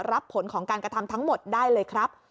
รับผลของการกระทำทั้งหมดได้เลยครับ